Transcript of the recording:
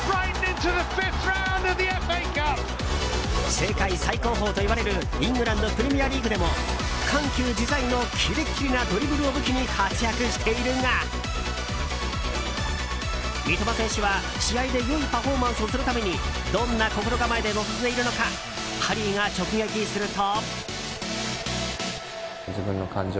世界最高峰といわれるイングランド・プレミアリーグでも緩急自在のキレッキレなドリブルを武器に活躍しているが三笘選手は試合で良いパフォーマンスをするためにどんな心構えで臨んでいるのかハリーが直撃すると。